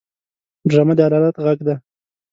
ډرامه د عدالت غږ دی